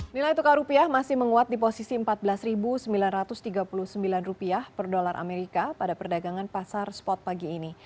nilai tukar rupiah masih menguat di posisi empat belas sembilan ratus tiga puluh sembilan rupiah per dolar amerika pada perdagangan pasar spot pagi ini